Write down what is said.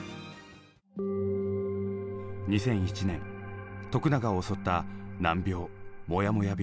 ２００１年永を襲った難病もやもや病。